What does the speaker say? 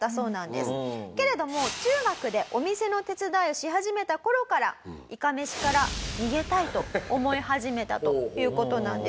けれども中学でお店の手伝いをし始めた頃から「いかめしから逃げたい」と思い始めたという事なんです。